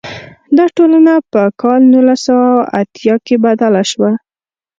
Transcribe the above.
دا ټولنه په کال نولس سوه اتیا کې بدله شوه.